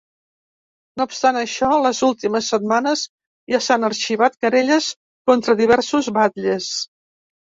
No obstant això, les últimes setmanes ja s’han arxivat querelles contra diversos batlles.